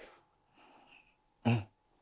うん。